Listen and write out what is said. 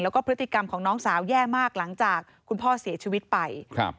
แล้วก็พฤติกรรมของน้องสาวแย่มากหลังจากคุณพ่อเสียชีวิตไปครับ